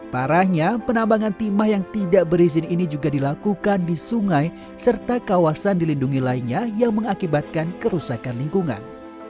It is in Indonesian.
parahnya penambangan timah yang tidak berizin ini juga dilakukan di sungai serta kawasan dilindungi lainnya yang mengakibatkan kerusakan lingkungan